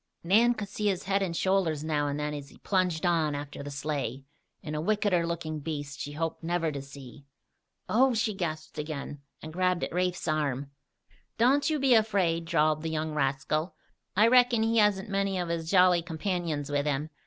Nan could see his head and shoulders now and then as he plunged on after the sleigh, and a wickeder looking beast, she hoped never to see. "Oh!" she gasped again, and grabbed at Rafe's arm. "Don't you be afraid," drawled that young rascal. "I reckon he hasn't many of his jolly companions with him.